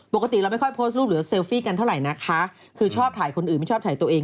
ปกติเราไม่ค่อยโพสต์รูปหรือเซลฟี่กันเท่าไหร่นะคะคือชอบถ่ายคนอื่นไม่ชอบถ่ายตัวเอง